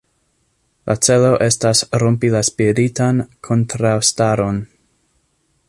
La celo estas rompi la spiritan kontraŭstaron.